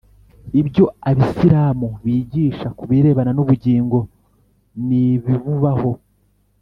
ibyo abisilamu bigisha ku birebana n’ubugingo n’ibibubaho